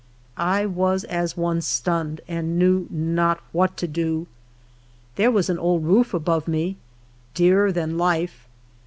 I was as one stunned, and knew not what to do. There was the old roof above me, dearer than life.